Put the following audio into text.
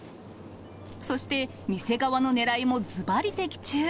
そして、店側のねらいもずばり的中。